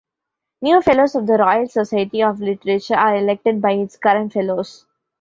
New fellows of the Royal Society of Literature are elected by its current fellows.